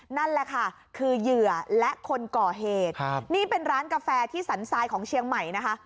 นั่นแหละค่ะคือเหยื่อและคนก่อเหตุครับนี่เป็นร้านกาแฟที่สันทรายของเชียงใหม่นะคะ